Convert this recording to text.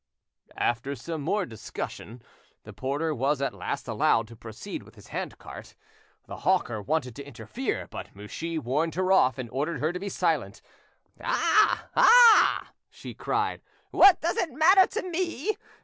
After some more discussion, the porter was at last allowed to proceed with his hand cart. The hawker wanted to interfere, but Mouchy warned her off and ordered her to be silent. "Ah! ah!" she cried, "what does it matter to me?